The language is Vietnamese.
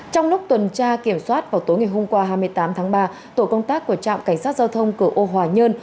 trong lúc tuần tra kiểm soát vào tối ngày hôm qua hai mươi tám tháng ba tổ công tác của trạm cảnh sát giao thông cửa ô hòa nhơn